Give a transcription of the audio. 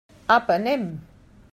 Apa, anem!